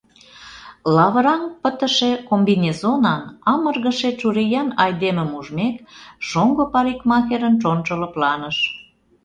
Лавыраҥ пытыше комбинезонан, амыргыше чуриян айдемым ужмек, шоҥго парикмахерын чонжо лыпланыш.